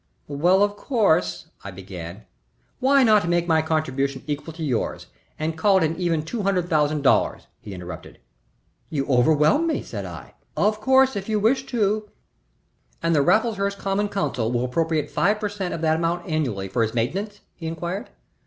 "Well, of course " I began. "Why not make my contribution equal to yours and call it an even two hundred thousand dollars?" he interrupted. "You overwhelm me," said I. "Of course, if you wish to " "And the Raffleshurst common council will appropriate five per cent. of that amount annually for its maintenance?" he inquired.